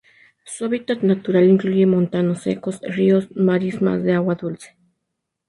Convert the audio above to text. Su hábitat natural incluye montanos secos, ríos, marismas de agua dulce.